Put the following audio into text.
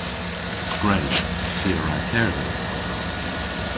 Gwredh! Ty a wra kerdhes.